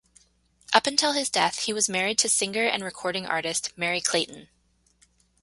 Up until his death he was married to singer and recording artist Merry Clayton.